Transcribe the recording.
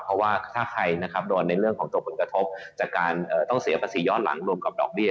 เพราะว่าถ้าใครนะครับโดนในเรื่องของตัวผลกระทบจากการต้องเสียภาษีย้อนหลังรวมกับดอกเบี้